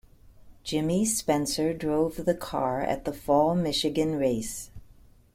Jimmy Spencer drove the car at the fall Michigan race.